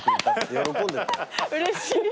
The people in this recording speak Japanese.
うれしい。